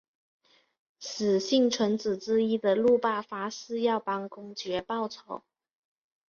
使幸存者之一的路霸发誓要帮公爵报仇。